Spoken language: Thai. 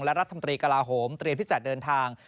และรัฐมนตรีกระลาฮมเตรียมพิจารณ์เดินทาง